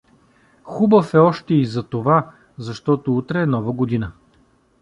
Хубав е още и затова, защото утре е Нова година.